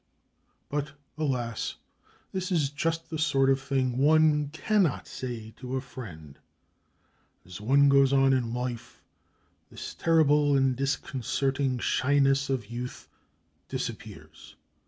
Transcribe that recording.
But, alas, this is just the sort of thing one cannot say to a friend! As one goes on in life, this terrible and disconcerting shyness of youth disappears.